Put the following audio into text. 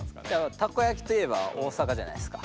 たこやきといえば大阪じゃないですか。